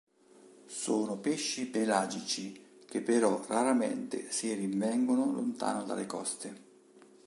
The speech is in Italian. Sono pesci pelagici che però raramente si rinvengono lontano dalle coste.